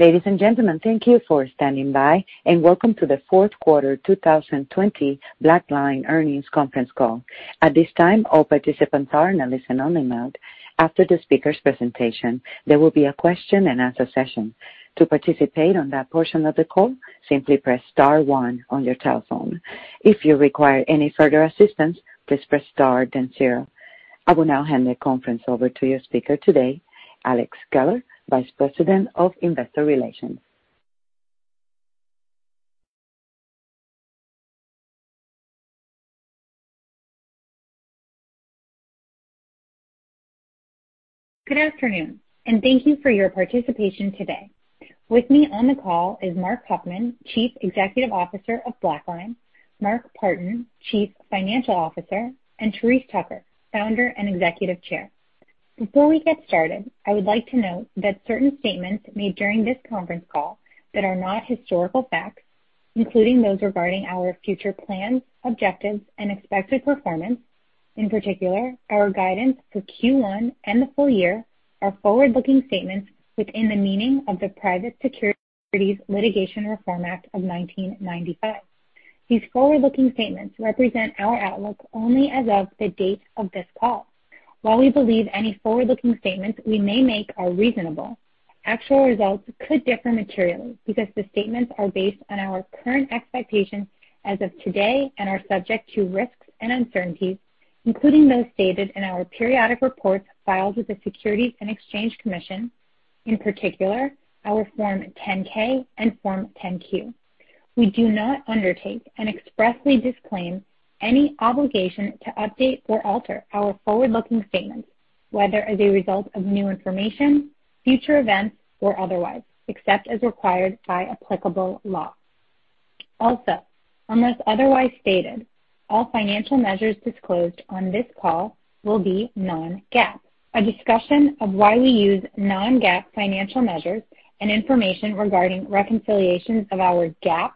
Ladies and gentlemen, thank you for standing by, and welcome to the Fourth Quarter 2020 BlackLine Earnings Conference Call. At this time, all participants are in listen-only mode. After the speaker's presentation, there will be a question-and-answer session. To participate on that portion of the call, simply press star one on your telephone. If you require any further assistance, please press star then zero. I will now hand the conference over to your speaker today, Alex Geller, Vice President of Investor Relations. Good afternoon, and thank you for your participation today. With me on the call is Marc Huffman, Chief Executive Officer of BlackLine, Mark Partin, Chief Financial Officer, and Therese Tucker, Founder and Executive Chair. Before we get started, I would like to note that certain statements made during this conference call are not historical facts, including those regarding our future plans, objectives, and expected performance. In particular, our guidance for Q1 and the full year are forward-looking statements within the meaning of the Private Securities Litigation Reform Act of 1995. These forward-looking statements represent our outlook only as of the date of this call. While we believe any forward-looking statements we may make are reasonable, actual results could differ materially because the statements are based on our current expectations as of today and are subject to risks and uncertainties, including those stated in our periodic reports filed with the Securities and Exchange Commission, in particular our Form 10-K and Form 10-Q. We do not undertake and expressly disclaim any obligation to update or alter our forward-looking statements, whether as a result of new information, future events, or otherwise, except as required by applicable law. Also, unless otherwise stated, all financial measures disclosed on this call will be non-GAAP. A discussion of why we use non-GAAP financial measures and information regarding reconciliations of our GAAP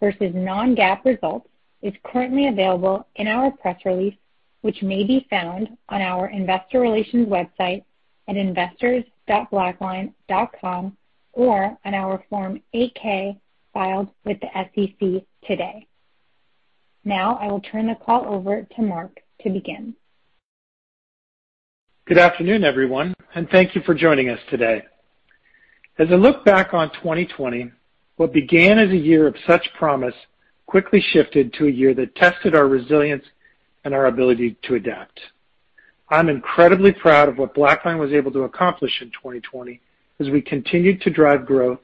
versus non-GAAP results is currently available in our press release, which may be found on our Investor Relations website at investors.blackline.com or on our Form 8-K filed with the SEC today. Now, I will turn the call over to Marc to begin. Good afternoon, everyone, and thank you for joining us today. As I look back on 2020, what began as a year of such promise quickly shifted to a year that tested our resilience and our ability to adapt. I'm incredibly proud of what BlackLine was able to accomplish in 2020 as we continued to drive growth,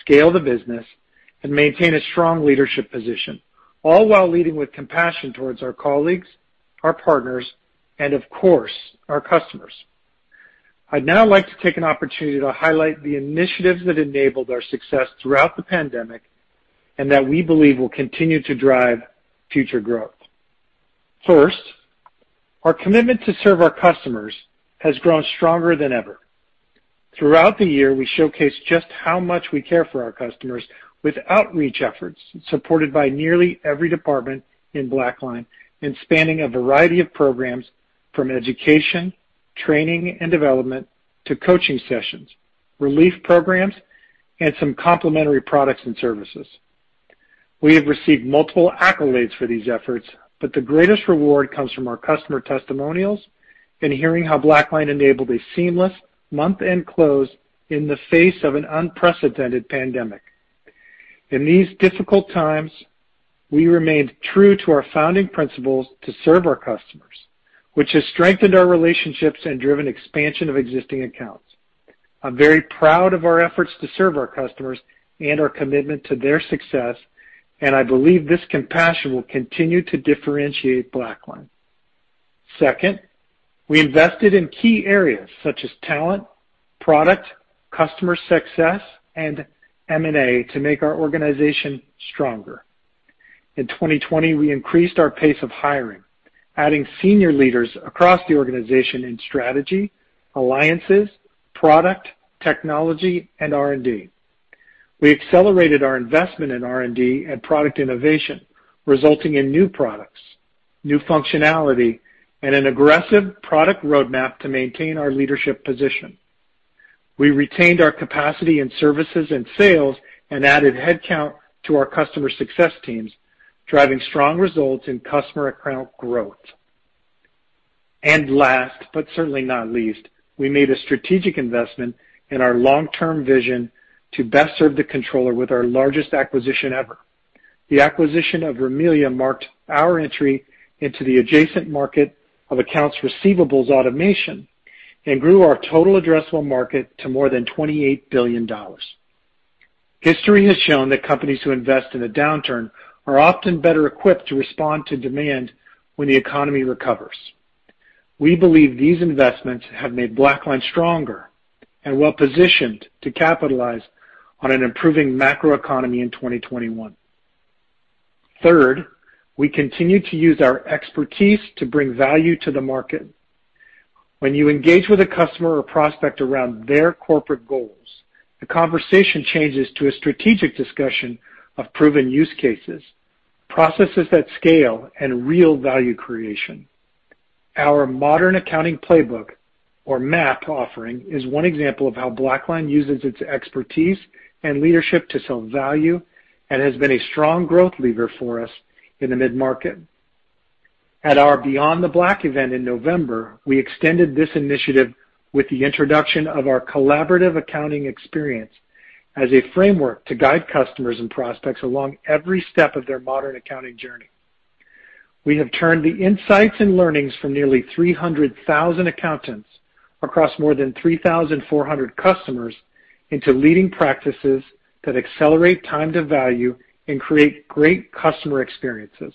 scale the business, and maintain a strong leadership position, all while leading with compassion towards our colleagues, our partners, and, of course, our customers. I'd now like to take an opportunity to highlight the initiatives that enabled our success throughout the pandemic and that we believe will continue to drive future growth. First, our commitment to serve our customers has grown stronger than ever. Throughout the year, we showcased just how much we care for our customers with outreach efforts, supported by nearly every department in BlackLine and spanning a variety of programs from education, training, and development to coaching sessions, relief programs, and some complementary products and services. We have received multiple accolades for these efforts, but the greatest reward comes from our customer testimonials and hearing how BlackLine enabled a seamless month-end close in the face of an unprecedented pandemic. In these difficult times, we remained true to our founding principles to serve our customers, which has strengthened our relationships and driven expansion of existing accounts. I'm very proud of our efforts to serve our customers and our commitment to their success, and I believe this compassion will continue to differentiate BlackLine. Second, we invested in key areas such as talent, product, customer success, and M&A to make our organization stronger. In 2020, we increased our pace of hiring, adding senior leaders across the organization in strategy, alliances, product, technology, and R&D. We accelerated our investment in R&D and product innovation, resulting in new products, new functionality, and an aggressive product roadmap to maintain our leadership position. We retained our capacity in services and sales and added headcount to our customer success teams, driving strong results in customer account growth. Last, but certainly not least, we made a strategic investment in our long-term vision to best serve the controller with our largest acquisition ever. The acquisition of Rimilia marked our entry into the adjacent market of accounts receivable automation and grew our total addressable market to more than $28 billion. History has shown that companies who invest in a downturn are often better equipped to respond to demand when the economy recovers. We believe these investments have made BlackLine stronger and well-positioned to capitalize on an improving macroeconomy in 2021. Third, we continue to use our expertise to bring value to the market. When you engage with a customer or prospect around their corporate goals, the conversation changes to a strategic discussion of proven use cases, processes that scale, and real value creation. Our Modern Accounting Playbook, or MAP, offering is one example of how BlackLine uses its expertise and leadership to sell value and has been a strong growth lever for us in the mid-market. At our BeyondTheBlack event in November, we extended this initiative with the introduction of our collaborative accounting experience as a framework to guide customers and prospects along every step of their Modern Accounting Journey. We have turned the insights and learnings from nearly 300,000 accountants across more than 3,400 customers into leading practices that accelerate time to value and create great customer experiences.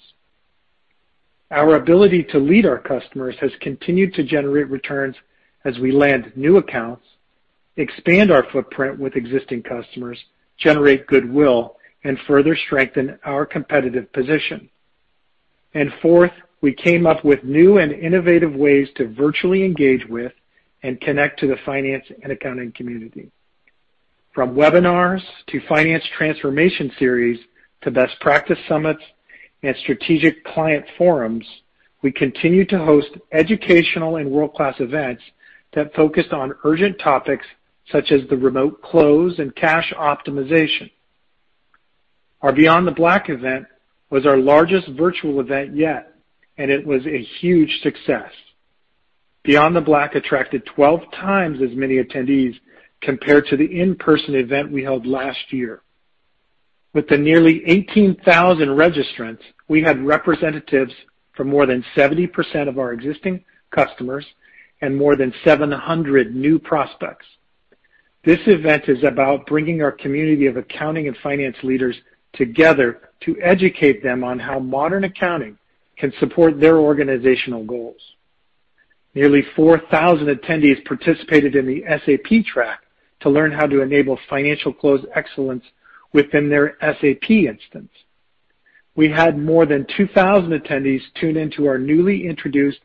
Our ability to lead our customers has continued to generate returns as we land new accounts, expand our footprint with existing customers, generate goodwill, and further strengthen our competitive position. Fourth, we came up with new and innovative ways to virtually engage with and connect to the finance and accounting community. From webinars to finance transformation series to best practice summits and strategic client forums, we continue to host educational and world-class events that focus on urgent topics such as the remote close and cash optimization. Our BeyondTheBlack event was our largest virtual event yet, and it was a huge success. BeyondTheBlack attracted 12 times as many attendees compared to the in-person event we held last year. With the nearly 18,000 registrants, we had representatives from more than 70% of our existing customers and more than 700 new prospects. This event is about bringing our community of accounting and finance leaders together to educate them on how modern accounting can support their organizational goals. Nearly 4,000 attendees participated in the SAP track to learn how to enable financial close excellence within their SAP instance. We had more than 2,000 attendees tune into our newly introduced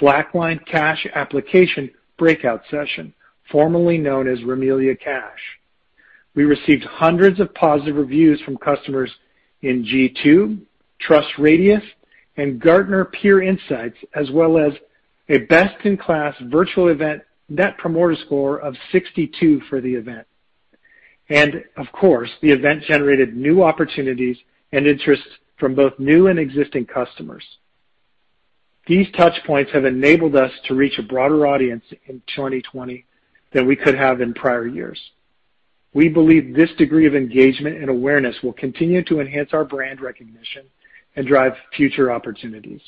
BlackLine Cash Application Breakout Session, formerly known as Rimilia Cash. We received hundreds of positive reviews from customers in G2, TrustRadius, and Gartner Peer Insights, as well as a best-in-class virtual event net promoter score of 62 for the event. The event generated new opportunities and interests from both new and existing customers. These touchpoints have enabled us to reach a broader audience in 2020 than we could have in prior years. We believe this degree of engagement and awareness will continue to enhance our brand recognition and drive future opportunities.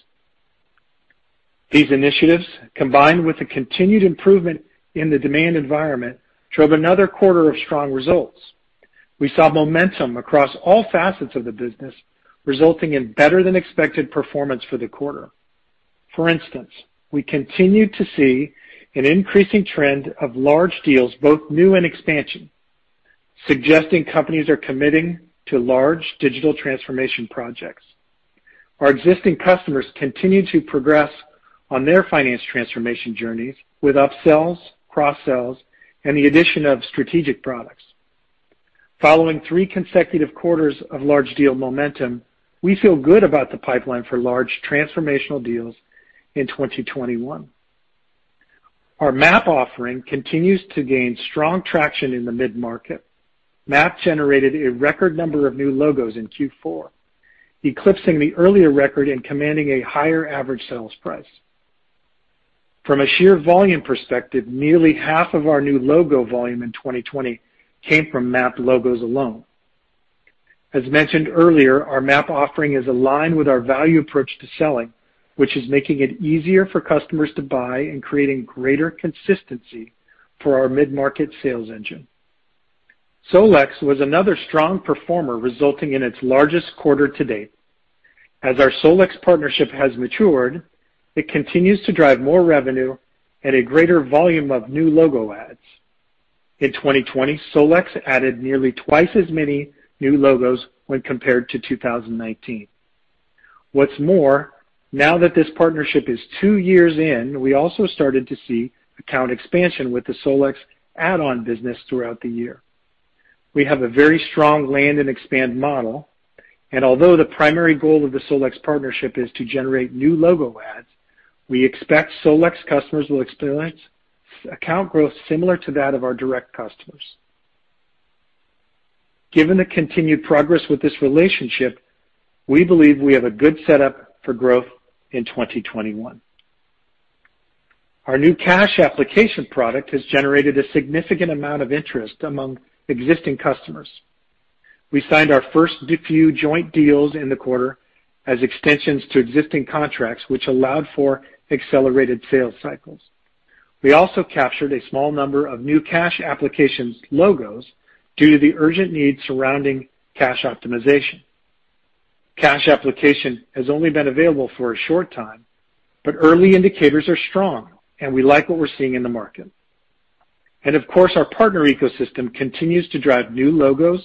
These initiatives, combined with the continued improvement in the demand environment, drove another quarter of strong results. We saw momentum across all facets of the business, resulting in better-than-expected performance for the quarter. For instance, we continue to see an increasing trend of large deals, both new and expansion, suggesting companies are committing to large digital transformation projects. Our existing customers continue to progress on their finance transformation journeys with upsells, cross-sells, and the addition of strategic products. Following three consecutive quarters of large deal momentum, we feel good about the pipeline for large transformational deals in 2021. Our MAP offering continues to gain strong traction in the mid-market. MAP generated a record number of new logos in Q4, eclipsing the earlier record and commanding a higher average sales price. From a sheer volume perspective, nearly half of our new logo volume in 2020 came from MAP logos alone. As mentioned earlier, our MAP offering is aligned with our value approach to selling, which is making it easier for customers to buy and creating greater consistency for our mid-market sales engine. SolEx was another strong performer, resulting in its largest quarter to date. As our SolEx partnership has matured, it continues to drive more revenue and a greater volume of new logo ads. In 2020, SolEx added nearly twice as many new logos when compared to 2019. What's more, now that this partnership is two years in, we also started to see account expansion with the SolEx add-on business throughout the year. We have a very strong land-and-expand model, and although the primary goal of the SolEx partnership is to generate new logo ads, we expect SolEx customers will experience account growth similar to that of our direct customers. Given the continued progress with this relationship, we believe we have a good setup for growth in 2021. Our New Cash Application product has generated a significant amount of interest among existing customers. We signed our first few joint deals in the quarter as extensions to existing contracts, which allowed for accelerated sales cycles. We also captured a small number of New Cash Application logos due to the urgent need surrounding Cash Optimization. Cash Application has only been available for a short time, but early indicators are strong, and we like what we're seeing in the market. Our partner ecosystem continues to drive new logos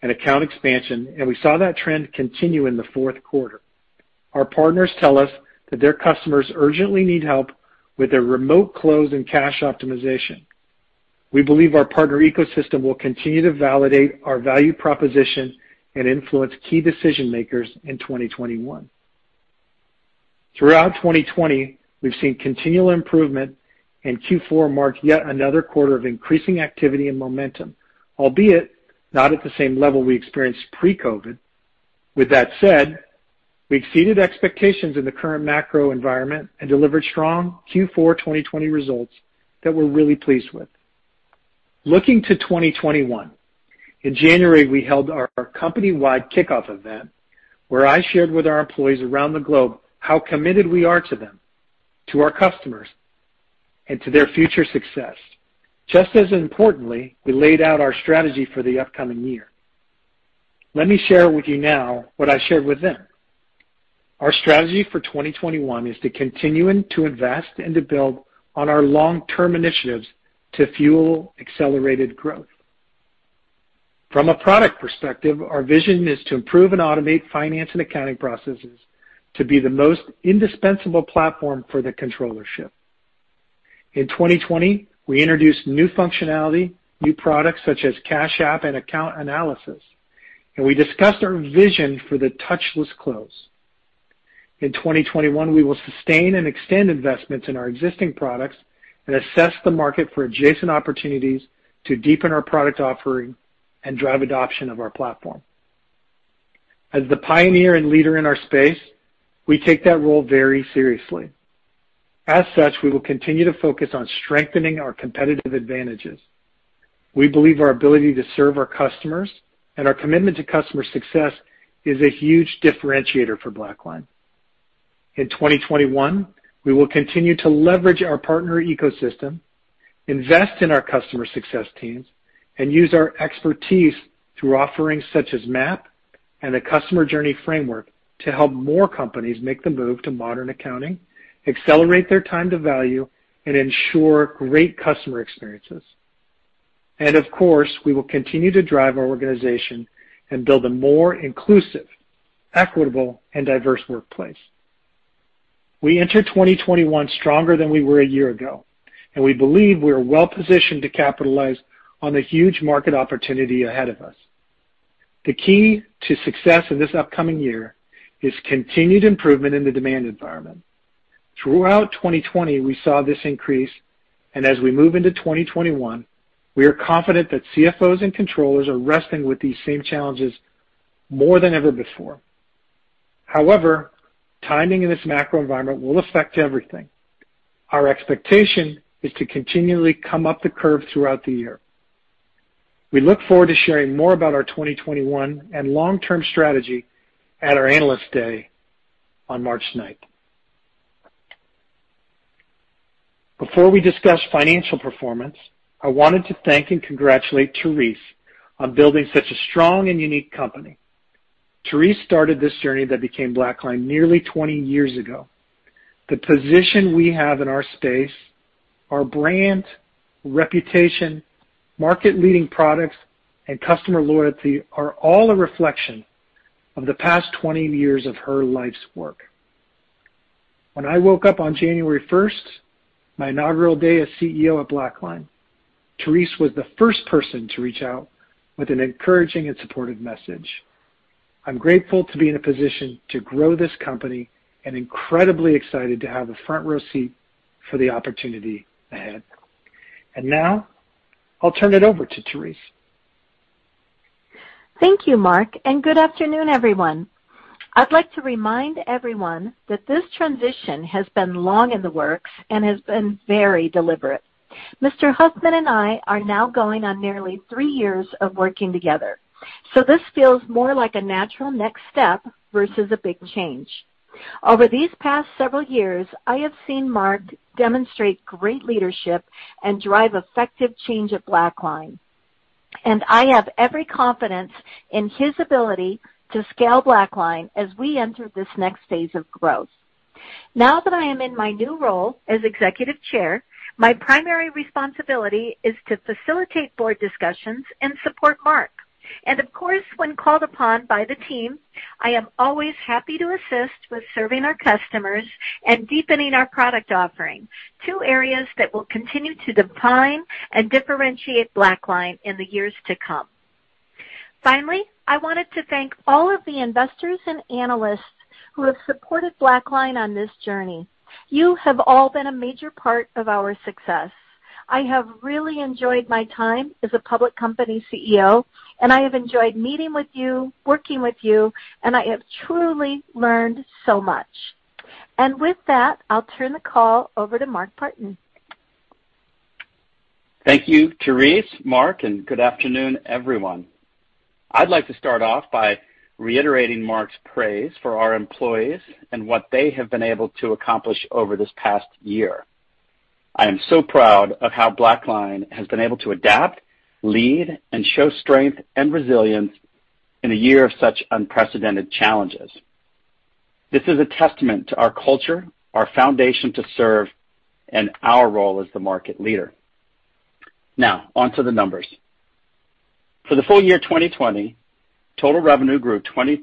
and account expansion, and we saw that trend continue in the fourth quarter. Our partners tell us that their customers urgently need help with their remote close and Cash Optimization. We believe our partner ecosystem will continue to validate our value proposition and influence key decision-makers in 2021. Throughout 2020, we've seen continual improvement, and Q4 marked yet another quarter of increasing activity and momentum, albeit not at the same level we experienced pre-COVID. With that said, we exceeded expectations in the current macro environment and delivered strong Q4 2020 results that we're really pleased with. Looking to 2021, in January, we held our company-wide kickoff event where I shared with our employees around the globe how committed we are to them, to our customers, and to their future success. Just as importantly, we laid out our strategy for the upcoming year. Let me share with you now what I shared with them. Our strategy for 2021 is to continue to invest and to build on our long-term initiatives to fuel accelerated growth. From a product perspective, our vision is to improve and automate finance and accounting processes to be the most indispensable platform for the controllership. In 2020, we introduced new functionality, new products such as Cash Application and Account Analysis, and we discussed our vision for the touchless close. In 2021, we will sustain and extend investments in our existing products and assess the market for adjacent opportunities to deepen our product offering and drive adoption of our platform. As the pioneer and leader in our space, we take that role very seriously. As such, we will continue to focus on strengthening our competitive advantages. We believe our ability to serve our customers and our commitment to customer success is a huge differentiator for BlackLine. In 2021, we will continue to leverage our partner ecosystem, invest in our customer success teams, and use our expertise through offerings such as MAP and the Customer Journey Framework to help more companies make the move to modern accounting, accelerate their time to value, and ensure great customer experiences. We will continue to drive our organization and build a more inclusive, equitable, and diverse workplace. We entered 2021 stronger than we were a year ago, and we believe we are well-positioned to capitalize on the huge market opportunity ahead of us. The key to success in this upcoming year is continued improvement in the demand environment. Throughout 2020, we saw this increase, and as we move into 2021, we are confident that CFOs and controllers are wrestling with these same challenges more than ever before. However, timing in this macro environment will affect everything. Our expectation is to continually come up the curve throughout the year. We look forward to sharing more about our 2021 and long-term strategy at our analyst day on March 9th. Before we discuss financial performance, I wanted to thank and congratulate Therese on building such a strong and unique company. Therese started this journey that became BlackLine nearly 20 years ago. The position we have in our space, our brand, reputation, market-leading products, and customer loyalty are all a reflection of the past 20 years of her life's work. When I woke up on January 1st, my inaugural day as CEO at BlackLine, Therese was the first person to reach out with an encouraging and supportive message. I'm grateful to be in a position to grow this company and incredibly excited to have a front-row seat for the opportunity ahead. I will turn it over to Therese. Thank you, Marc, and good afternoon, everyone. I'd like to remind everyone that this transition has been long in the works and has been very deliberate. Mr. Huffman and I are now going on nearly three years of working together, so this feels more like a natural next step versus a big change. Over these past several years, I have seen Mark demonstrate great leadership and drive effective change at BlackLine, and I have every confidence in his ability to scale BlackLine as we enter this next phase of growth. Now that I am in my new role as Executive Chair, my primary responsibility is to facilitate board discussions and support Mark. and of course, when called upon by the team, I am always happy to assist with serving our customers and deepening our product offering, two areas that will continue to define and differentiate BlackLine in the years to come. Finally, I wanted to thank all of the investors and analysts who have supported BlackLine on this journey. You have all been a major part of our success. I have really enjoyed my time as a public company CEO, and I have enjoyed meeting with you, working with you, and I have truly learned so much. With that, I'll turn the call over to Mark Partin. Thank you, Therese, Marc, and good afternoon, everyone. I'd like to start off by reiterating Marc's praise for our employees and what they have been able to accomplish over this past year. I am so proud of how BlackLine has been able to adapt, lead, and show strength and resilience in a year of such unprecedented challenges. This is a testament to our culture, our foundation to serve, and our role as the market leader. Now, on to the numbers. For the full year 2020, total revenue grew 22%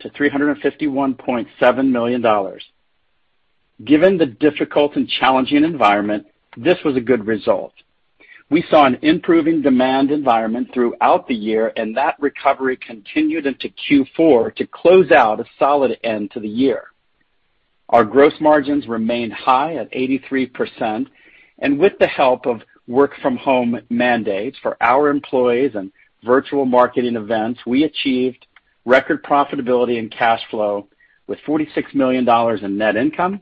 to $351.7 million. Given the difficult and challenging environment, this was a good result. We saw an improving demand environment throughout the year, and that recovery continued into Q4 to close out a solid end to the year. Our gross margins remained high at 83%, and with the help of work-from-home mandates for our employees and virtual marketing events, we achieved record profitability and cash flow with $46 million in net income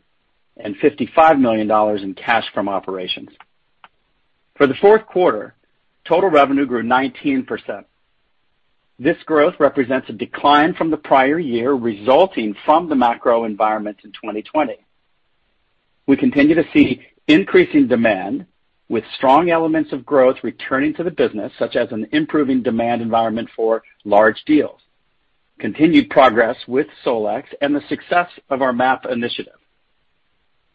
and $55 million in cash from operations. For the fourth quarter, total revenue grew 19%. This growth represents a decline from the prior year resulting from the macro environment in 2020. We continue to see increasing demand with strong elements of growth returning to the business, such as an improving demand environment for large deals. Continued progress with SolEx and the success of our MAP initiative.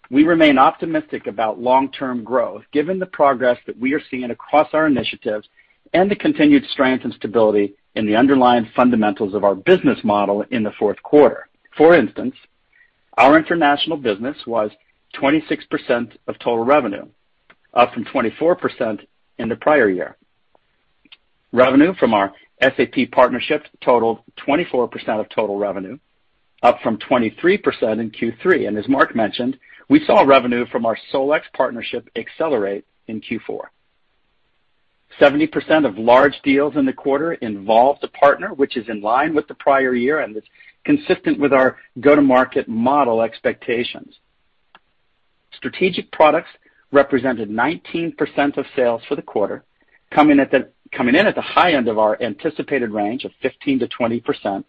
We remain optimistic about long-term growth given the progress that we are seeing across our initiatives and the continued strength and stability in the underlying fundamentals of our business model in the fourth quarter. For instance, our international business was 26% of total revenue, up from 24% in the prior year. Revenue from our SAP partnership totaled 24% of total revenue, up from 23% in Q3. As Mark mentioned, we saw revenue from our SolEx partnership accelerate in Q4. 70% of large deals in the quarter involved a partner, which is in line with the prior year and is consistent with our go-to-market model expectations. Strategic products represented 19% of sales for the quarter, coming in at the high end of our anticipated range of 15%-20%,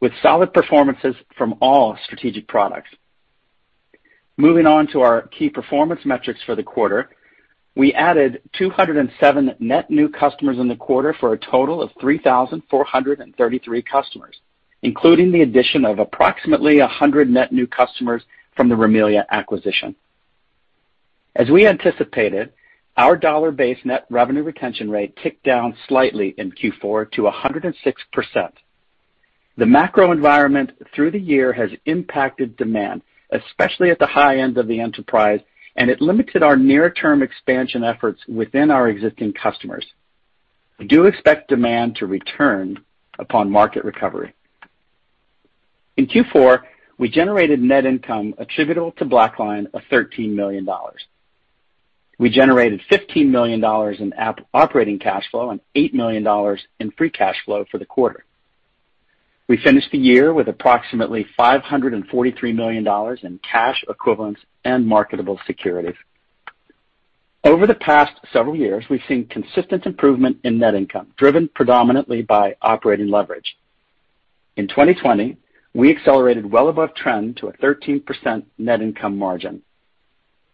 with solid performances from all strategic products. Moving on to our key performance metrics for the quarter, we added 207 net new customers in the quarter for a total of 3,433 customers, including the addition of approximately 100 net new customers from the Rimilia acquisition. As we anticipated, our dollar-based net revenue retention rate ticked down slightly in Q4 to 106%. The macro environment through the year has impacted demand, especially at the high end of the enterprise, and it limited our near-term expansion efforts within our existing customers. We do expect demand to return upon market recovery. In Q4, we generated net income attributable to BlackLine of $13 million. We generated $15 million in operating cash flow and $8 million in free cash flow for the quarter. We finished the year with approximately $543 million in cash equivalents and marketable securities. Over the past several years, we've seen consistent improvement in net income, driven predominantly by operating leverage. In 2020, we accelerated well above trend to a 13% net income margin,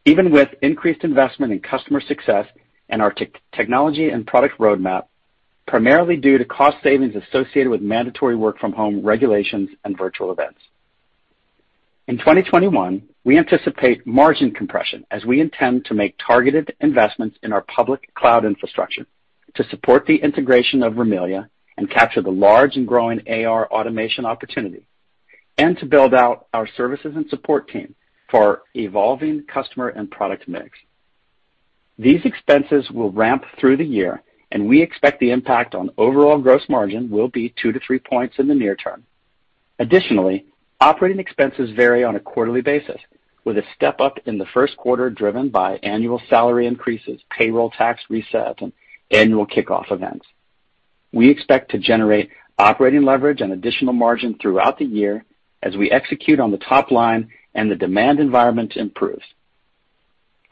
even with increased investment in customer success and our technology and product roadmap, primarily due to cost savings associated with mandatory work-from-home regulations and virtual events. In 2021, we anticipate margin compression as we intend to make targeted investments in our public cloud infrastructure to support the integration of Rimilia and capture the large and growing AR automation opportunity, and to build out our services and support team for evolving customer and product mix. These expenses will ramp through the year, and we expect the impact on overall gross margin will be two to three points in the near term. Additionally, operating expenses vary on a quarterly basis, with a step-up in the first quarter driven by annual salary increases, payroll tax reset, and annual kickoff events. We expect to generate operating leverage and additional margin throughout the year as we execute on the top line and the demand environment improves.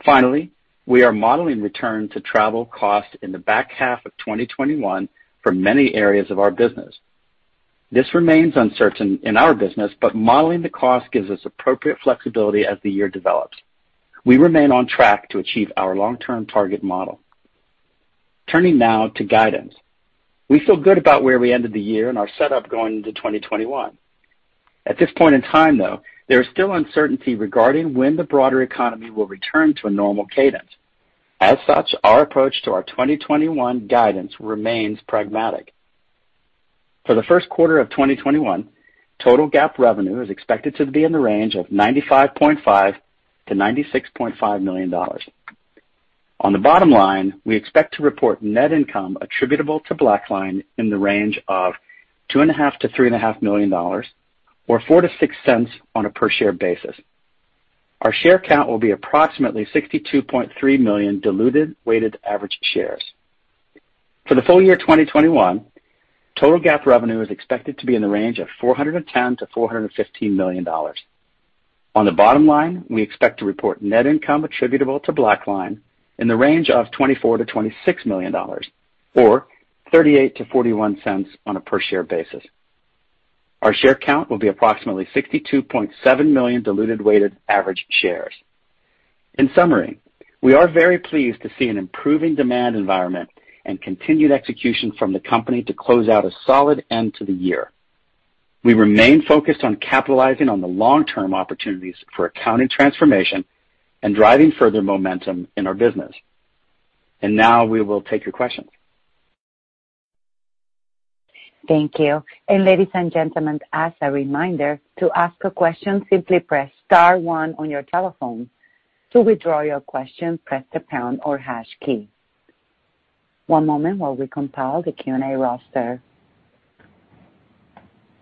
Finally, we are modeling return to travel costs in the back half of 2021 for many areas of our business. This remains uncertain in our business, but modeling the cost gives us appropriate flexibility as the year develops. We remain on track to achieve our long-term target model. Turning now to guidance, we feel good about where we ended the year and our setup going into 2021. At this point in time, though, there is still uncertainty regarding when the broader economy will return to a normal cadence. As such, our approach to our 2021 guidance remains pragmatic. For the first quarter of 2021, total GAAP revenue is expected to be in the range of $95.5-$96.5 million. On the bottom line, we expect to report net income attributable to BlackLine in the range of $2.5-$3.5 million or $0.04-$0.06 on a per-share basis. Our share count will be approximately 62.3 million diluted weighted average shares. For the full year 2021, total GAAP revenue is expected to be in the range of $410-$415 million. On the bottom line, we expect to report net income attributable to BlackLine in the range of $24-$26 million or $0.38-$0.41 on a per-share basis. Our share count will be approximately 62.7 million diluted weighted average shares. In summary, we are very pleased to see an improving demand environment and continued execution from the company to close out a solid end to the year. We remain focused on capitalizing on the long-term opportunities for accounting transformation and driving further momentum in our business. Now we will take your questions. Thank you. Ladies and gentlemen, as a reminder, to ask a question, simply press Star one on your telephone. To withdraw your question, press the pound or hash key. One moment while we compile the Q&A roster.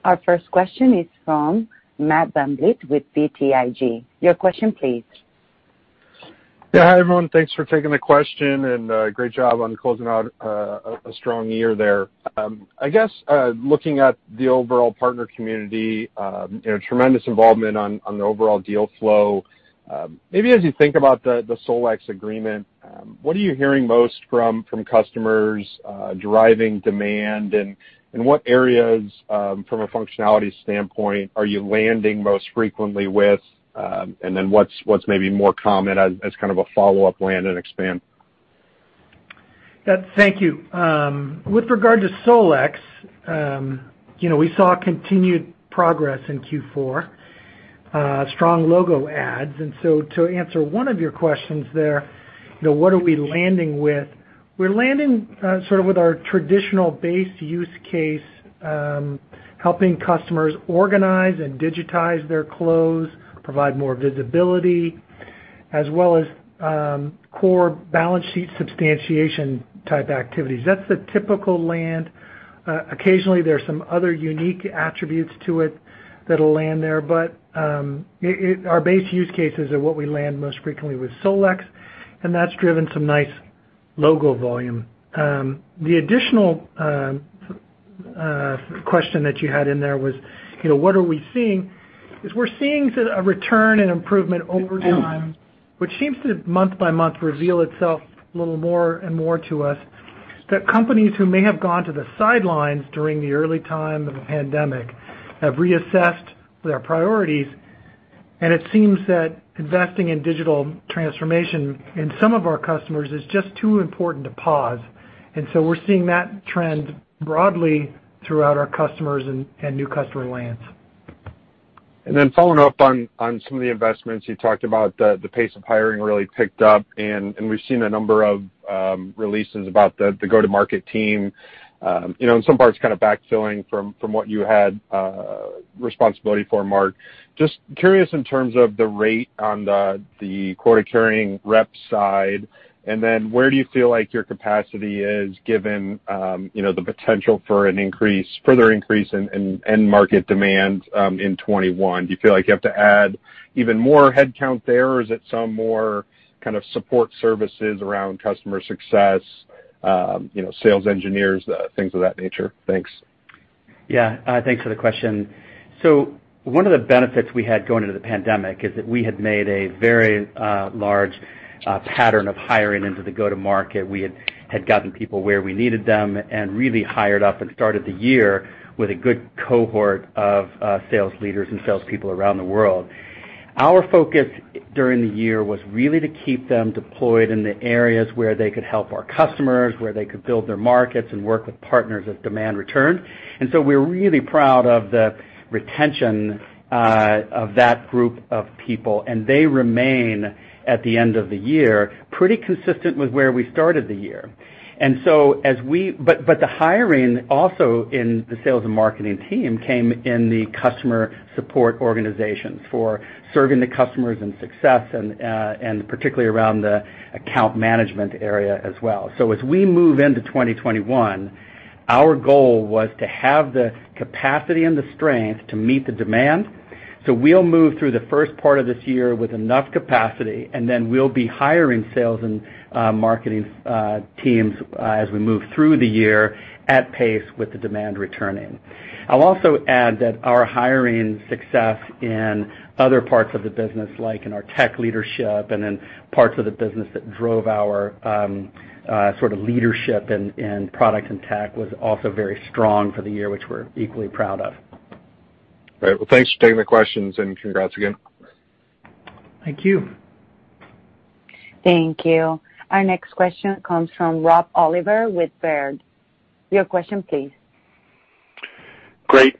Our first question is from Matt Bumbleet with BTIG. Your question, please. Yeah, hi everyone. Thanks for taking the question and great job on closing out a strong year there. I guess looking at the overall partner community, tremendous involvement on the overall deal flow. Maybe as you think about the SolEx agreement, what are you hearing most from customers driving demand? What areas, from a functionality standpoint, are you landing most frequently with? What's maybe more common as kind of a follow-up land and expand? Thank you. With regard to SolEx, we saw continued progress in Q4, strong logo ads. To answer one of your questions there, what are we landing with? We're landing sort of with our traditional-based use case, helping customers organize and digitize their close, provide more visibility, as well as core balance sheet substantiation type activities. That's the typical land. Occasionally, there are some other unique attributes to it that'll land there, but our base use cases are what we land most frequently with SolEx, and that's driven some nice logo volume. The additional question that you had in there was, what are we seeing? We're seeing a return and improvement over time, which seems to month by month reveal itself a little more and more to us, that companies who may have gone to the sidelines during the early time of the pandemic have reassessed their priorities. It seems that investing in digital transformation in some of our customers is just too important to pause. We're seeing that trend broadly throughout our customers and new customer lands. Following up on some of the investments, you talked about the pace of hiring really picked up, and we've seen a number of releases about the go-to-market team. In some parts, kind of backfilling from what you had responsibility for, Mark. Just curious in terms of the rate on the quota carrying rep side, and then where do you feel like your capacity is given the potential for an increase, further increase in market demand in 2021? Do you feel like you have to add even more headcount there, or is it some more kind of support services around customer success, sales engineers, things of that nature? Thanks. Yeah, thanks for the question. One of the benefits we had going into the pandemic is that we had made a very large pattern of hiring into the go-to-market. We had gotten people where we needed them and really hired up and started the year with a good cohort of sales leaders and salespeople around the world. Our focus during the year was really to keep them deployed in the areas where they could help our customers, where they could build their markets and work with partners as demand returned. We are really proud of the retention of that group of people, and they remain at the end of the year pretty consistent with where we started the year. The hiring also in the sales and marketing team came in the customer support organizations for serving the customers and success, and particularly around the account management area as well. As we move into 2021, our goal was to have the capacity and the strength to meet the demand. We'll move through the first part of this year with enough capacity, and then we'll be hiring sales and marketing teams as we move through the year at pace with the demand returning. I'll also add that our hiring success in other parts of the business, like in our tech leadership and in parts of the business that drove our sort of leadership in product and tech, was also very strong for the year, which we're equally proud of. All right. Thanks for taking the questions and congrats again. Thank you. Thank you. Our next question comes from Rob Oliver with Baird. Your question, please. Great.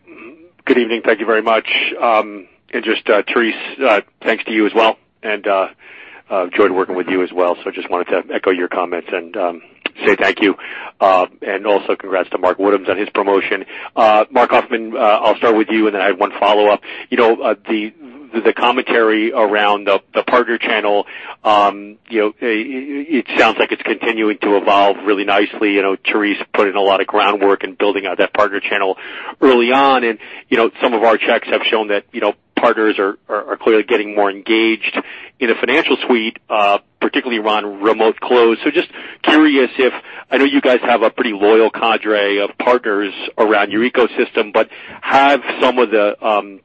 Good evening. Thank you very much. Therese, thanks to you as well. I've enjoyed working with you as well. I just wanted to echo your comments and say thank you. Also, congrats to Mark Woodhams on his promotion. Marc Huffman, I'll start with you, and then I have one follow-up. The commentary around the partner channel, it sounds like it's continuing to evolve really nicely. Therese put in a lot of groundwork in building out that partner channel early on. Some of our checks have shown that partners are clearly getting more engaged in the financial suite, particularly around remote close. I am just curious if I know you guys have a pretty loyal cadre of partners around your ecosystem, but have some of the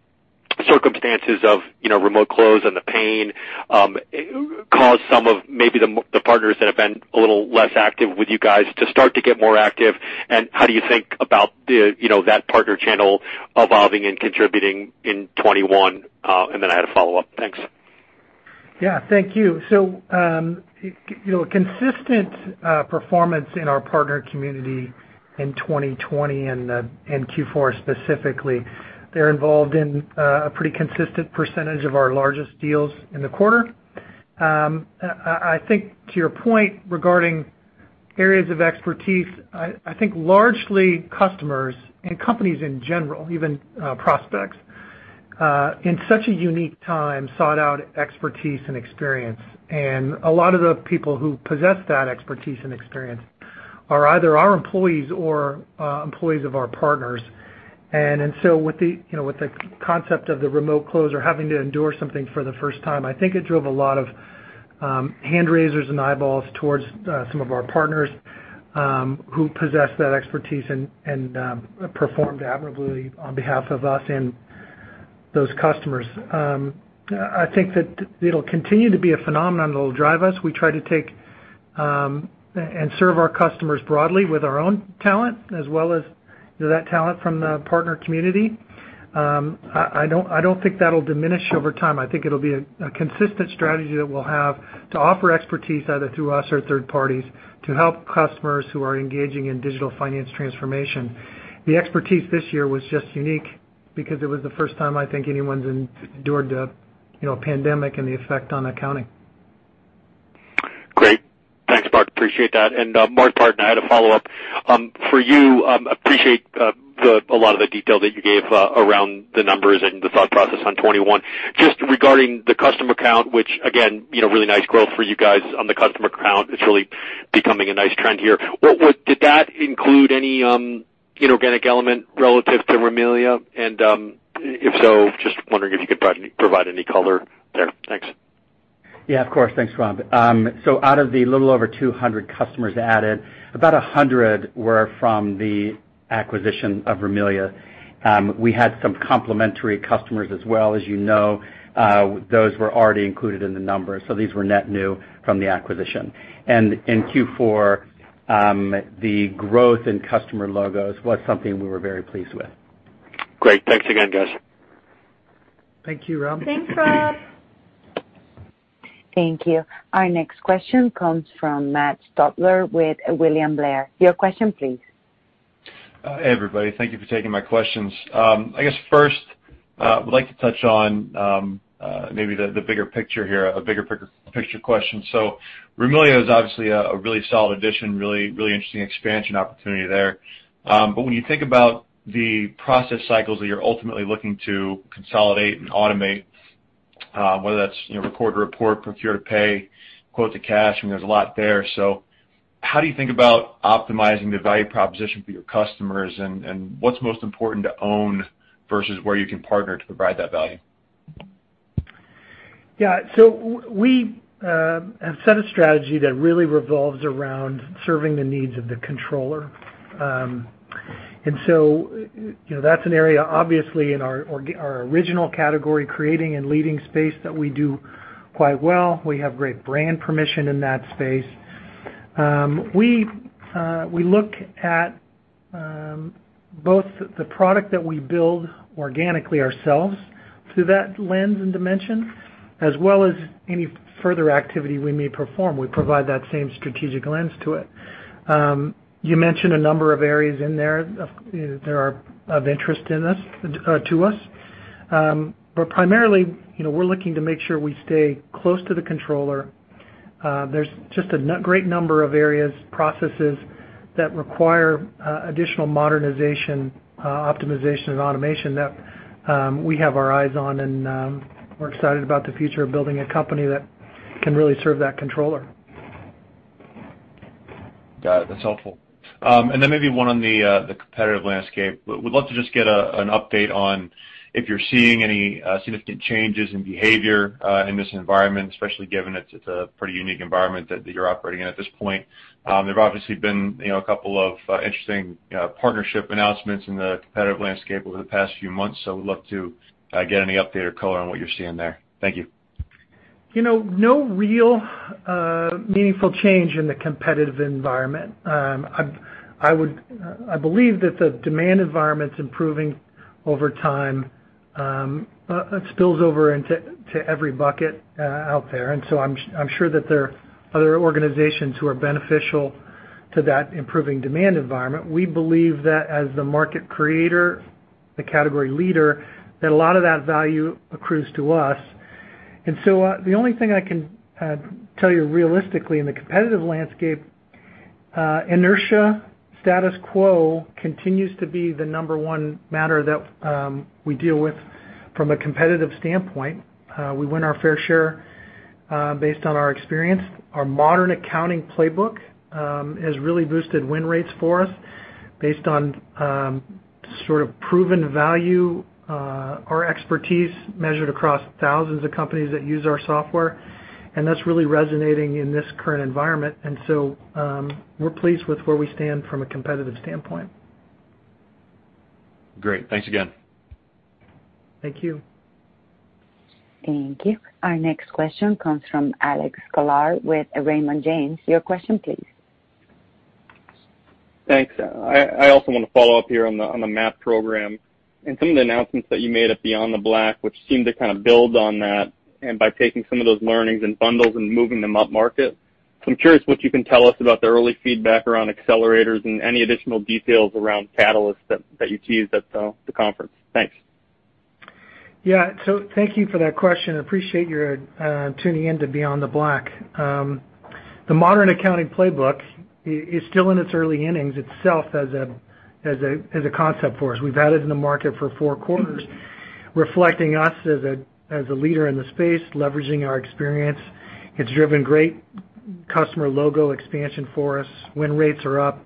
circumstances of remote close and the pain caused some of maybe the partners that have been a little less active with you guys to start to get more active? How do you think about that partner channel evolving and contributing in 2021? I had a follow-up. Thanks. Yeah, thank you. Consistent performance in our partner community in 2020 and Q4 specifically, they're involved in a pretty consistent percentage of our largest deals in the quarter. I think to your point regarding areas of expertise, I think largely customers and companies in general, even prospects, in such a unique time sought out expertise and experience. A lot of the people who possess that expertise and experience are either our employees or employees of our partners. With the concept of the remote close or having to endure something for the first time, I think it drove a lot of hand raisers and eyeballs towards some of our partners who possess that expertise and performed admirably on behalf of us and those customers. I think that it'll continue to be a phenomenon that'll drive us. We try to take and serve our customers broadly with our own talent as well as that talent from the partner community. I do not think that will diminish over time. I think it will be a consistent strategy that we will have to offer expertise either through us or third parties to help customers who are engaging in digital finance transformation. The expertise this year was just unique because it was the first time I think anyone has endured a pandemic and the effect on accounting. Great. Thanks, Marc. Appreciate that. Mark Partin, I had a follow-up. For you, I appreciate a lot of the detail that you gave around the numbers and the thought process on 2021. Just regarding the customer count, which again, really nice growth for you guys on the customer count, it is really becoming a nice trend here. Did that include any inorganic element relative to Rimilia? If so, just wondering if you could provide any color there. Thanks. Yeah, of course. Thanks, Rob. Out of the little over 200 customers added, about 100 were from the acquisition of Rimilia. We had some complimentary customers as well. As you know, those were already included in the numbers. These were net new from the acquisition. In Q4, the growth in customer logos was something we were very pleased with. Great. Thanks again, guys. Thank you, Rob. Thanks, Rob. Thank you. Our next question comes from Matt Stotler with William Blair. Your question, please. Hey, everybody. Thank you for taking my questions. I guess first, I would like to touch on maybe the bigger picture here, a bigger picture question. Rimilia is obviously a really solid addition, really interesting expansion opportunity there. When you think about the process cycles that you're ultimately looking to consolidate and automate, whether that's record to report, procure to pay, quote to cash, I mean, there's a lot there. How do you think about optimizing the value proposition for your customers and what's most important to own versus where you can partner to provide that value? Yeah. We have set a strategy that really revolves around serving the needs of the controller. That's an area, obviously, in our original category, creating and leading space that we do quite well. We have great brand permission in that space. We look at both the product that we build organically ourselves through that lens and dimension, as well as any further activity we may perform. We provide that same strategic lens to it. You mentioned a number of areas in there that are of interest to us. Primarily, we're looking to make sure we stay close to the controller. There's just a great number of areas, processes that require additional modernization, optimization, and automation that we have our eyes on, and we're excited about the future of building a company that can really serve that controller. Got it. That's helpful. Maybe one on the competitive landscape. We'd love to just get an update on if you're seeing any significant changes in behavior in this environment, especially given it's a pretty unique environment that you're operating in at this point. There've obviously been a couple of interesting partnership announcements in the competitive landscape over the past few months, so we'd love to get any update or color on what you're seeing there. Thank you. No real meaningful change in the competitive environment. I believe that the demand environment's improving over time. It spills over into every bucket out there. I am sure that there are other organizations who are beneficial to that improving demand environment. We believe that as the market creator, the category leader, that a lot of that value accrues to us. The only thing I can tell you realistically in the competitive landscape, inertia, status quo continues to be the number one matter that we deal with from a competitive standpoint. We win our fair share based on our experience. Our Modern Accounting Playbook has really boosted win rates for us based on sort of proven value, our expertise measured across thousands of companies that use our software. That is really resonating in this current environment. We are pleased with where we stand from a competitive standpoint. Great. Thanks again. Thank you. Thank you. Our next question comes from Alex Sklar with Raymond James. Your question, please. Thanks. I also want to follow up here on the MAP program and some of the announcements that you made at Beyond the Black, which seemed to kind of build on that and by taking some of those learnings and bundles and moving them up market. I am curious what you can tell us about the early feedback around accelerators and any additional details around catalysts that you teased at the conference. Thanks. Yeah. Thank you for that question. I appreciate your tuning into BeyondTheBlack. The Modern Accounting Playbook is still in its early innings itself as a concept for us. We have had it in the market for four quarters, reflecting us as a leader in the space, leveraging our experience. It's driven great customer logo expansion for us. Win rates are up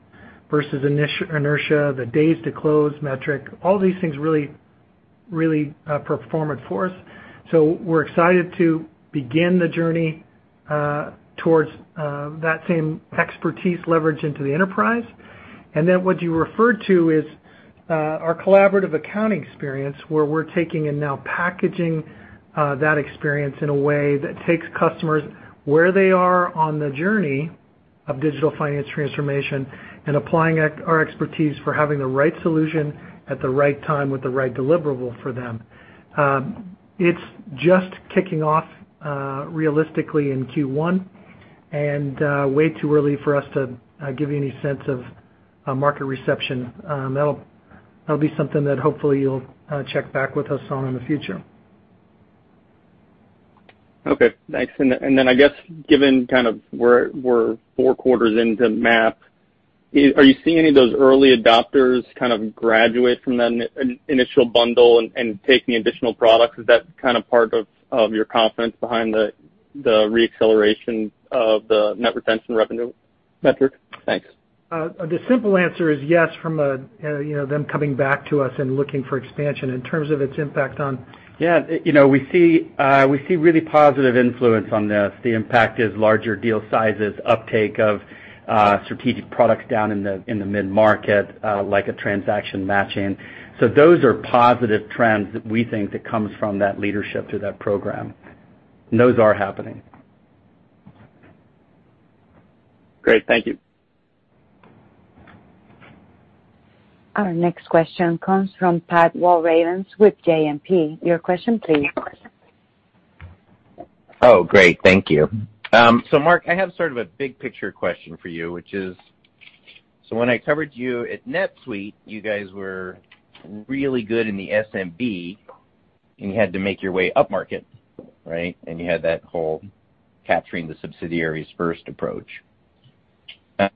versus inertia, the days to close metric. All these things really performed for us. We are excited to begin the journey towards that same expertise leverage into the enterprise. What you referred to is our collaborative accounting experience where we're taking and now packaging that experience in a way that takes customers where they are on the journey of digital finance transformation and applying our expertise for having the right solution at the right time with the right deliverable for them. It's just kicking off realistically in Q1 and way too early for us to give you any sense of market reception. That'll be something that hopefully you'll check back with us on in the future. Okay. Thanks. I guess given kind of we're four quarters into MAP, are you seeing any of those early adopters kind of graduate from that initial bundle and take the additional products? Is that kind of part of your confidence behind the reacceleration of the net retention revenue metric? Thanks. The simple answer is yes from them coming back to us and looking for expansion in terms of its impact on. Yeah. We see really positive influence on this. The impact is larger deal sizes, uptake of strategic products down in the mid-market like a transaction matching. Those are positive trends that we think that come from that leadership through that program. Those are happening. Great. Thank you. Our next question comes from Pat Walravens with JMP. Your question, please. Oh, great. Thank you. Marc, I have sort of a big picture question for you, which is when I covered you at NetSuite, you guys were really good in the SMB, and you had to make your way up market, right? You had that whole capturing the subsidiaries first approach. At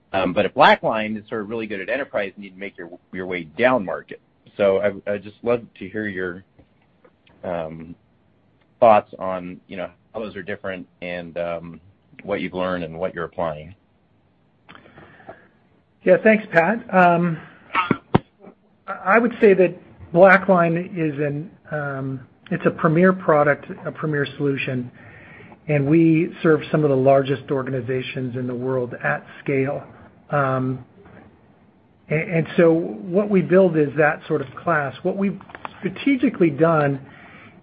BlackLine, you're sort of really good at enterprise and you need to make your way down market. I'd just love to hear your thoughts on how those are different and what you've learned and what you're applying. Yeah. Thanks, Pat. I would say that BlackLine is a premier product, a premier solution. We serve some of the largest organizations in the world at scale. What we build is that sort of class. What we've strategically done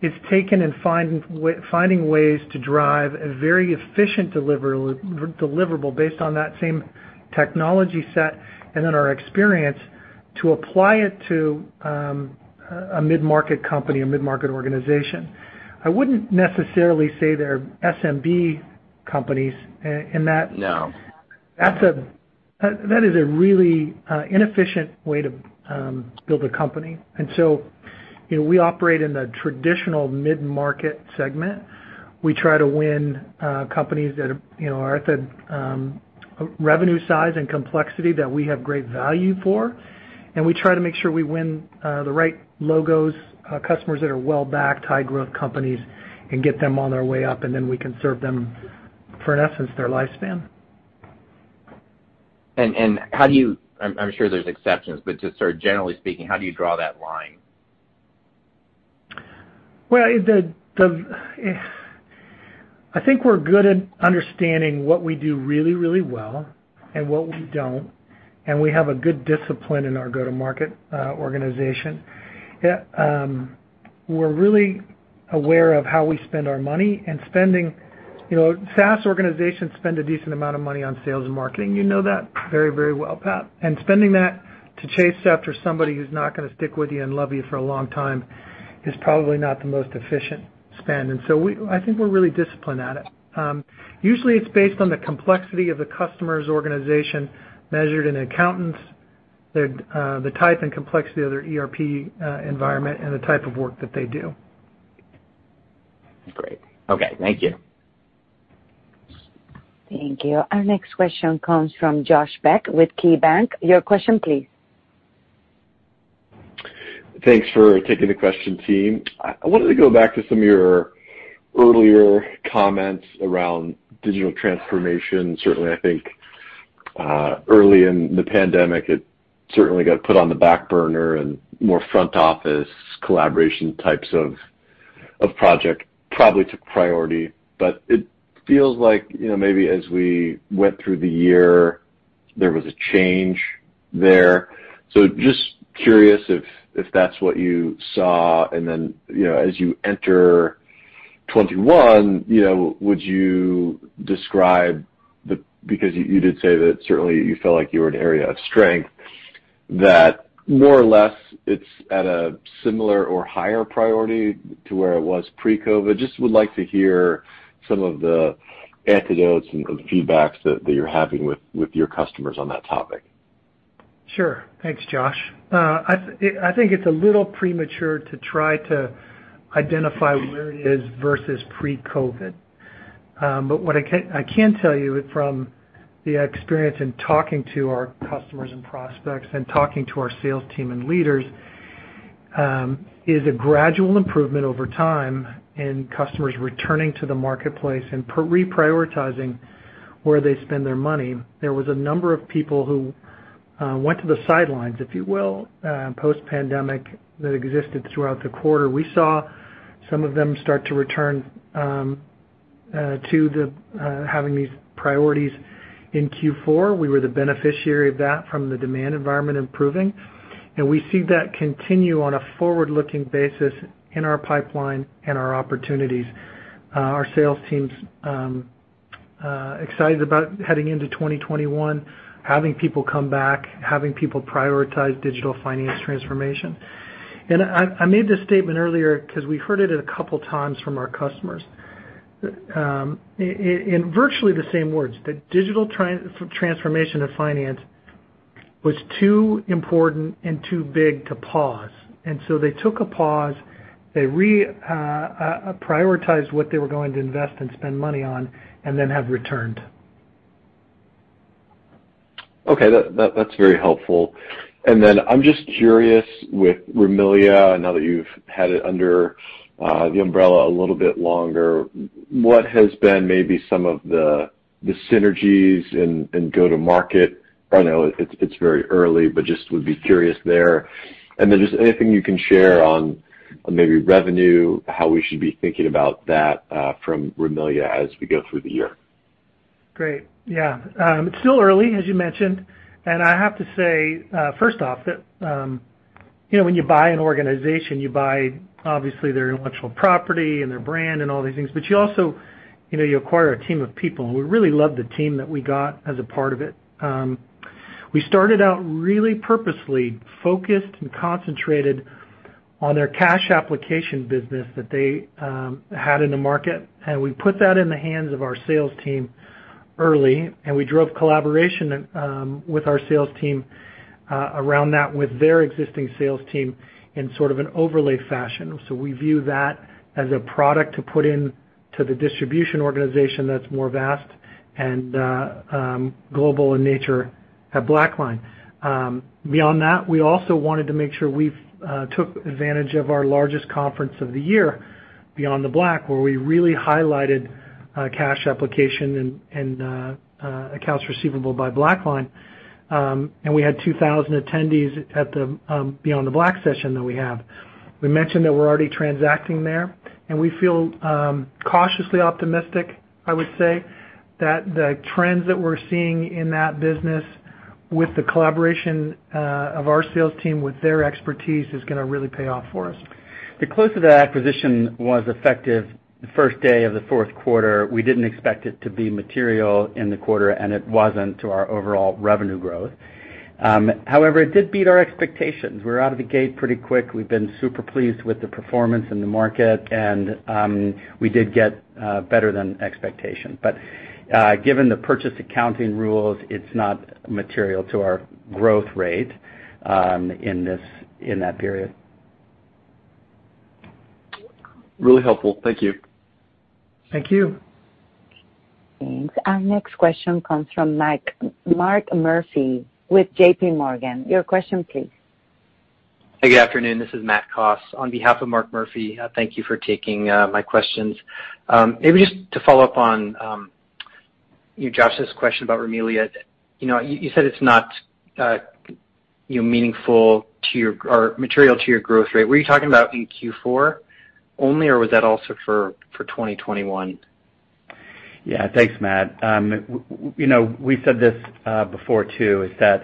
is taken and finding ways to drive a very efficient deliverable based on that same technology set and then our experience to apply it to a mid-market company or mid-market organization. I wouldn't necessarily say they're SMB companies in that. That is a really inefficient way to build a company. We operate in the traditional mid-market segment. We try to win companies that are at the revenue size and complexity that we have great value for. We try to make sure we win the right logos, customers that are well-backed, high-growth companies, and get them on their way up. We can serve them, for an essence, their lifespan. How do you—I'm sure there's exceptions—but just sort of generally speaking, how do you draw that line? I think we're good at understanding what we do really, really well and what we don't. We have a good discipline in our go-to-market organization. We're really aware of how we spend our money. SaaS organizations spend a decent amount of money on sales and marketing. You know that very, very well, Pat. Spending that to chase after somebody who's not going to stick with you and love you for a long time is probably not the most efficient spend. I think we're really disciplined at it. Usually, it's based on the complexity of the customer's organization measured in accountants, the type and complexity of their ERP environment, and the type of work that they do. Great. Okay. Thank you. Thank you. Our next question comes from Josh Beck with KeyBank. Your question, please. Thanks for taking the question, team. I wanted to go back to some of your earlier comments around digital transformation. Certainly, I think early in the pandemic, it certainly got put on the back burner and more front office collaboration types of projects probably took priority. It feels like maybe as we went through the year, there was a change there. I am just curious if that's what you saw. As you enter 2021, would you describe the—because you did say that certainly you felt like you were in an area of strength—that more or less it's at a similar or higher priority to where it was pre-COVID? I would just like to hear some of the anecdotes and feedback that you're having with your customers on that topic. Sure. Thanks, Josh. I think it's a little premature to try to identify where it is versus pre-COVID. What I can tell you from the experience in talking to our customers and prospects and talking to our sales team and leaders is a gradual improvement over time in customers returning to the marketplace and reprioritizing where they spend their money. There was a number of people who went to the sidelines, if you will, post-pandemic that existed throughout the quarter. We saw some of them start to return to having these priorities in Q4. We were the beneficiary of that from the demand environment improving. We see that continue on a forward-looking basis in our pipeline and our opportunities. Our sales team's excited about heading into 2021, having people come back, having people prioritize digital finance transformation. I made this statement earlier because we heard it a couple of times from our customers in virtually the same words, that digital transformation of finance was too important and too big to pause. They took a pause. They prioritized what they were going to invest and spend money on and then have returned. Okay. That's very helpful. I am just curious with Rimilia, now that you've had it under the umbrella a little bit longer, what has been maybe some of the synergies in go-to-market? I know it's very early, but just would be curious there. Is there anything you can share on maybe revenue, how we should be thinking about that from Rimilia as we go through the year? Great. Yeah. It's still early, as you mentioned. I have to say, first off, that when you buy an organization, you buy, obviously, their intellectual property and their brand and all these things. You also acquire a team of people. We really love the team that we got as a part of it. We started out really purposely focused and concentrated on their Cash Application business that they had in the market. We put that in the hands of our sales team early. We drove collaboration with our sales team around that with their existing sales team in sort of an overlay fashion. We view that as a product to put into the distribution organization that is more vast and global in nature at BlackLine. Beyond that, we also wanted to make sure we took advantage of our largest conference of the year, BeyondTheBlack, where we really highlighted Cash Application and Accounts Receivable by BlackLine. We had 2,000 attendees at the BeyondTheBlack session that we have. We mentioned that we're already transacting there. We feel cautiously optimistic, I would say, that the trends that we're seeing in that business with the collaboration of our sales team with their expertise is going to really pay off for us. The close of that acquisition was effective the first day of the fourth quarter. We didn't expect it to be material in the quarter, and it wasn't to our overall revenue growth. However, it did beat our expectations. We were out of the gate pretty quick. We've been super pleased with the performance in the market. We did get better than expectation. Given the purchase accounting rules, it's not material to our growth rate in that period. Really helpful. Thank you. Thank you. Thanks. Our next question comes from Mark Murphy with JPMorgan. Your question, please. Hey, good afternoon. This is Matt Koss. On behalf of Mark Murphy, thank you for taking my questions. Maybe just to follow up on Josh's question about Rimilia, you said it's not material to your growth rate. Were you talking about in Q4 only, or was that also for 2021? Yeah. Thanks, Matt. We've said this before, too, is that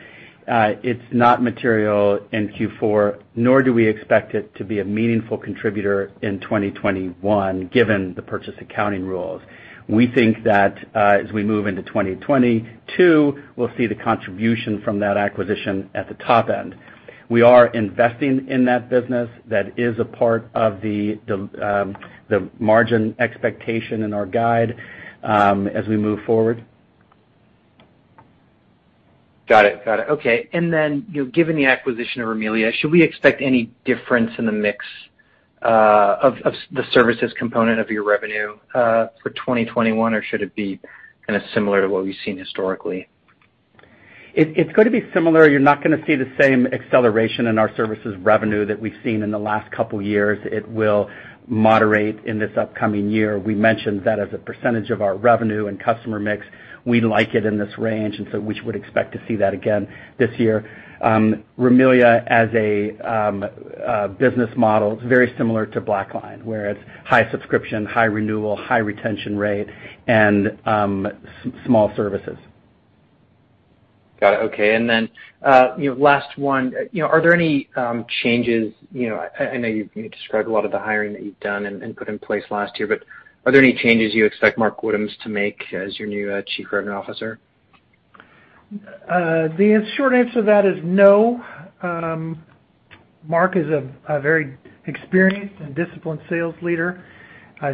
it's not material in Q4, nor do we expect it to be a meaningful contributor in 2021 given the purchase accounting rules. We think that as we move into 2022, we'll see the contribution from that acquisition at the top end. We are investing in that business. That is a part of the margin expectation in our guide as we move forward. Got it. Got it. Okay. Given the acquisition of Rimilia, should we expect any difference in the mix? Of the services component of your revenue for 2021, or should it be kind of similar to what we've seen historically? It's going to be similar. You're not going to see the same acceleration in our services revenue that we've seen in the last couple of years. It will moderate in this upcoming year. We mentioned that as a percentage of our revenue and customer mix. We like it in this range, and so we would expect to see that again this year. Rimilia, as a business model, it's very similar to BlackLine, where it's high subscription, high renewal, high retention rate, and small services. Got it. Okay. Last one, are there any changes? I know you described a lot of the hiring that you've done and put in place last year, but are there any changes you expect Mark Woodhams to make as your new Chief Revenue Officer? The short answer to that is no. Mark is a very experienced and disciplined sales leader.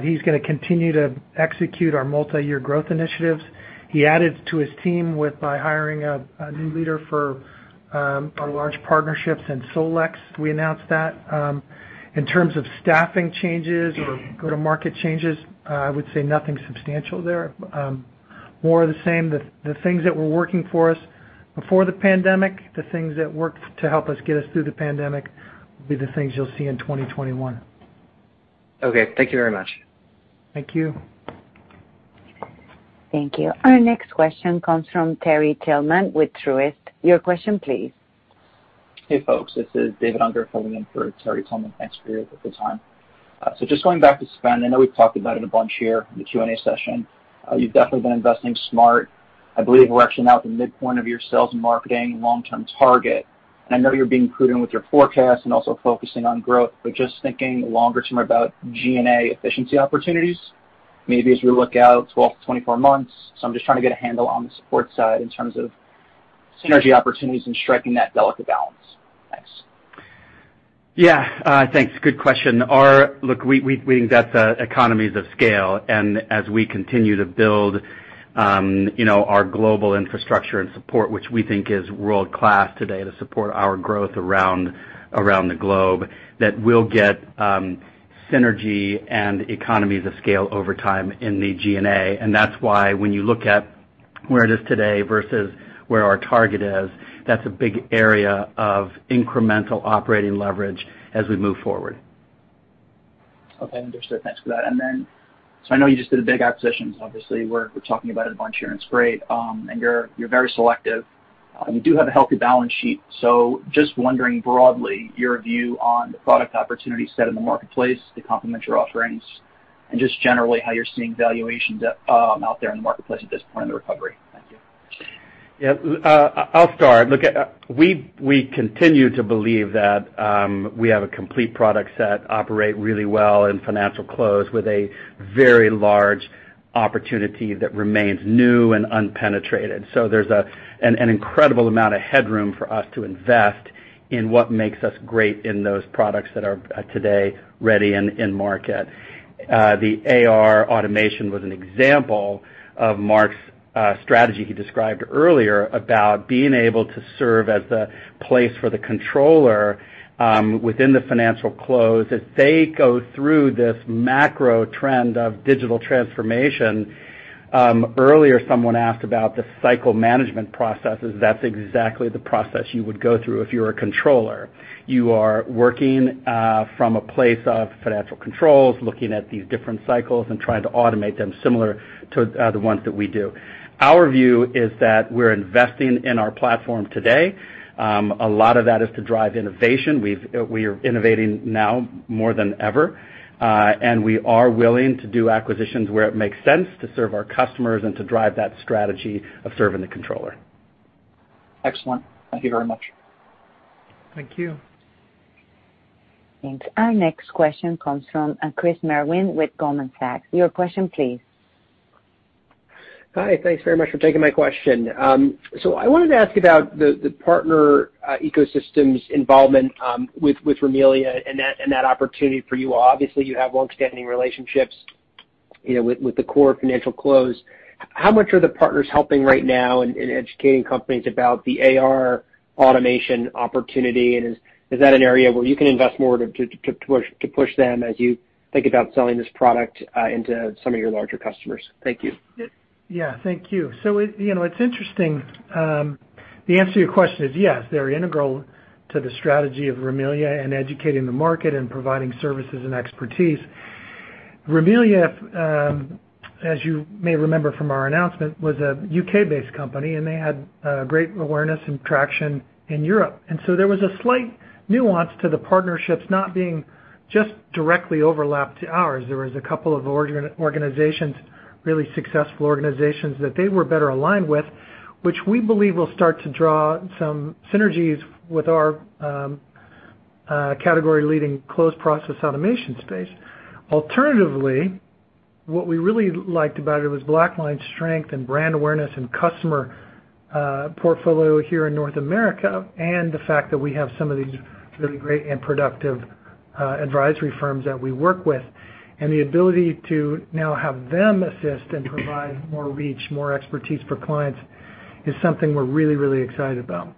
He's going to continue to execute our multi-year growth initiatives. He added to his team by hiring a new leader for our large partnerships and SolEx. We announced that. In terms of staffing changes or go-to-market changes, I would say nothing substantial there. More of the same. The things that were working for us before the pandemic, the things that worked to help us get us through the pandemic will be the things you'll see in 2021. Okay. Thank you very much. Thank you. Thank you. Our next question comes from Terry Tillman with Truist. Your question, please. Hey, folks. This is David Unger filling in for Terry Tillman. Thanks for your time today. Just going back to spend, I know we've talked about it a bunch here in the Q&A session. You've definitely been investing smart. I believe we're actually now at the midpoint of your sales and marketing long-term target. I know you're being prudent with your forecast and also focusing on growth, just thinking longer term about G&A efficiency opportunities, maybe as we look out 12 to 24 months. I'm just trying to get a handle on the support side in terms of synergy opportunities and striking that delicate balance. Thanks. Yeah. Thanks. Good question. Look, we think that's economies of scale. As we continue to build our global infrastructure and support, which we think is world-class today to support our growth around the globe, we will get synergy and economies of scale over time in the G&A. That is why when you look at where it is today versus where our target is, that is a big area of incremental operating leverage as we move forward. Okay. Understood. Thanks for that. I know you just did a big acquisition. Obviously, we are talking about it a bunch here, and it is great. You are very selective. You do have a healthy balance sheet. Just wondering broadly, your view on the product opportunity set in the marketplace to complement your offerings and just generally how you are seeing valuations out there in the marketplace at this point in the recovery. Thank you. Yeah. I will start. Look, we continue to believe that we have a complete product set, operate really well in financial close with a very large opportunity that remains new and unpenetrated. There is an incredible amount of headroom for us to invest in what makes us great in those products that are today ready in market. The AR automation was an example of Mark's strategy he described earlier about being able to serve as the place for the controller within the financial close as they go through this macro trend of digital transformation. Earlier, someone asked about the cycle management processes. That is exactly the process you would go through if you're a controller. You are working from a place of financial controls, looking at these different cycles and trying to automate them similar to the ones that we do. Our view is that we're investing in our platform today. A lot of that is to drive innovation. We are innovating now more than ever. We are willing to do acquisitions where it makes sense to serve our customers and to drive that strategy of serving the controller. Excellent. Thank you very much. Thank you. Thanks. Our next question comes from Chris Merwin with Goldman Sachs. Your question, please. Hi. Thanks very much for taking my question. I wanted to ask about the partner ecosystem's involvement with Rimilia and that opportunity for you all. Obviously, you have long-standing relationships with the core financial close. How much are the partners helping right now in educating companies about the AR automation opportunity? Is that an area where you can invest more to push them as you think about selling this product into some of your larger customers? Thank you. Yeah. Thank you. It is interesting. The answer to your question is yes. They're integral to the strategy of Rimilia and educating the market and providing services and expertise. Rimilia, as you may remember from our announcement, was a U.K.-based company, and they had great awareness and traction in Europe. There was a slight nuance to the partnerships not being just directly overlapped to ours. There were a couple of organizations, really successful organizations, that they were better aligned with, which we believe will start to draw some synergies with our category-leading close process automation space. Alternatively, what we really liked about it was BlackLine's strength and brand awareness and customer portfolio here in North America and the fact that we have some of these really great and productive advisory firms that we work with. The ability to now have them assist and provide more reach, more expertise for clients is something we're really, really excited about.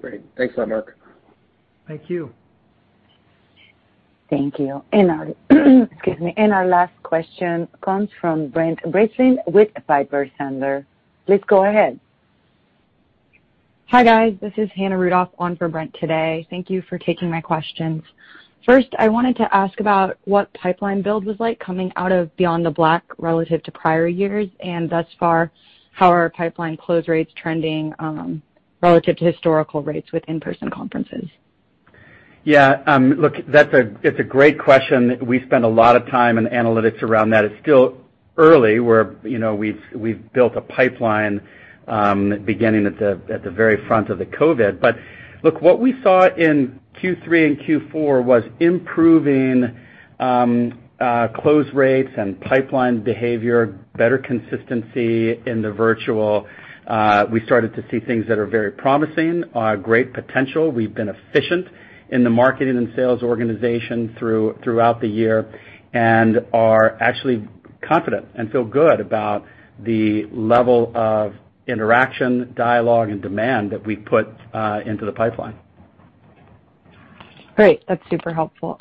Great. Thanks a lot, Marc. Thank you. Thank you. Our last question comes from Brent Bracelin with Piper Sandler. Please go ahead. Hi, guys. This is Hannah Rudolph on for Brent today. Thank you for taking my questions. First, I wanted to ask about what Pipeline Build was like coming out of BeyondTheBlack relative to prior years and thus far how our pipeline close rates trending relative to historical rates with in-person conferences. Yeah. Look, that's a great question. We spent a lot of time in analytics around that. It's still early where we've built a pipeline beginning at the very front of the COVID. Look, what we saw in Q3 and Q4 was improving close rates and pipeline behavior, better consistency in the virtual. We started to see things that are very promising, great potential. We've been efficient in the marketing and sales organization throughout the year and are actually confident and feel good about the level of interaction, dialogue, and demand that we've put into the pipeline. Great. That's super helpful.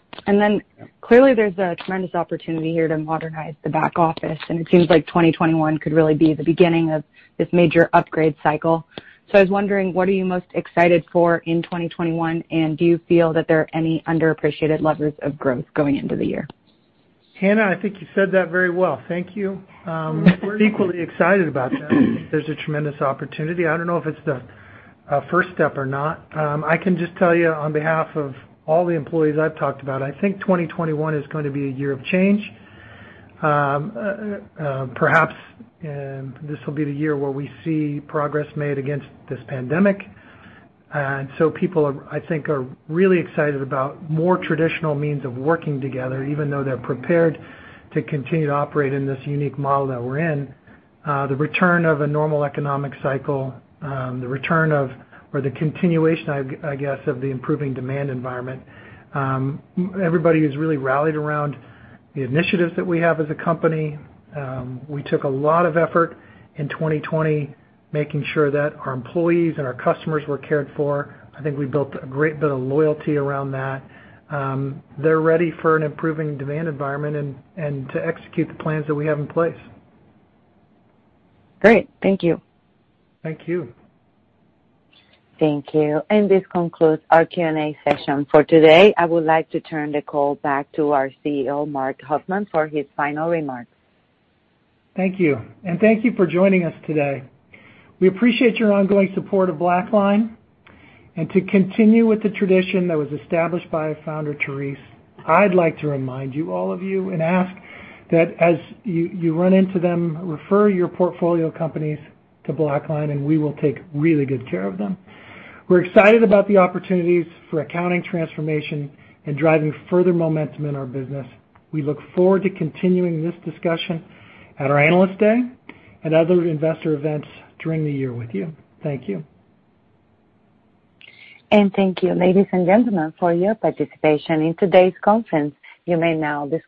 Clearly, there's a tremendous opportunity here to modernize the back office. It seems like 2021 could really be the beginning of this major upgrade cycle. I was wondering, what are you most excited for in 2021? Do you feel that there are any underappreciated levers of growth going into the year? Hannah, I think you said that very well. Thank you. We're equally excited about that. There's a tremendous opportunity. I don't know if it's the first step or not. I can just tell you on behalf of all the employees I've talked about, I think 2021 is going to be a year of change. Perhaps this will be the year where we see progress made against this pandemic. People, I think, are really excited about more traditional means of working together, even though they're prepared to continue to operate in this unique model that we're in. The return of a normal economic cycle, the return of, or the continuation, I guess, of the improving demand environment. Everybody has really rallied around the initiatives that we have as a company. We took a lot of effort in 2020 making sure that our employees and our customers were cared for. I think we built a great bit of loyalty around that. They're ready for an improving demand environment and to execute the plans that we have in place. Great. Thank you. Thank you. Thank you. This concludes our Q&A session for today. I would like to turn the call back to our CEO, Mark Huffman, for his final remarks. Thank you. Thank you for joining us today. We appreciate your ongoing support of BlackLine. To continue with the tradition that was established by founder Therese, I'd like to remind all of you and ask that as you run into them, refer your portfolio companies to BlackLine, and we will take really good care of them. We're excited about the opportunities for accounting transformation and driving further momentum in our business. We look forward to continuing this discussion at our analyst day and other investor events during the year with you. Thank you. Thank you, ladies and gentlemen, for your participation in today's conference. You may now disconnect.